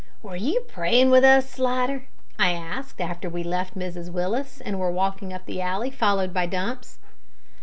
"Were you praying with us, Slidder?" I asked, after we left Mrs Willis, and were walking up the alley, followed by Dumps.